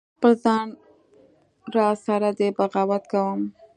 خپل ځان را سره دی بغاوت کوم